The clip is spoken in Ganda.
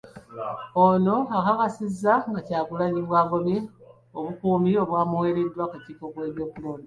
Ono akakasizza nga Kyagulanyi bw'agobye obukuumi obwamuweereddwa akakiiko k'ebyokulonda.